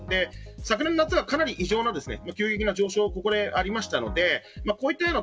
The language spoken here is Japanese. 昨年夏は、かなり異常な急激な上昇がありましたので。